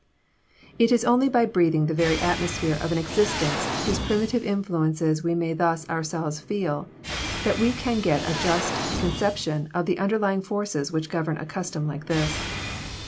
It is only by breathing the very atmosphere of an existence whose primitive influences we may thus ourselves feel, that we can get a just conception of the underlying forces which govern a custom like this.